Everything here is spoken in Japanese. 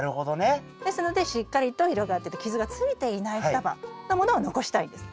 ですのでしっかりと広がってて傷がついていない双葉のものを残したいんです。